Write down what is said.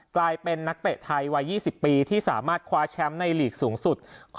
กลายเป็นนักเตะไทยวัย๒๐ปีที่สามารถคว้าแชมป์ในลีกสูงสุด